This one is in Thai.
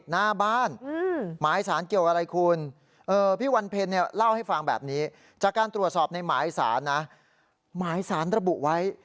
หรือว่าเกี่ยวข้องกับในหมายสารนะหมายสารระบุไว้